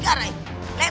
ayam pangeran garai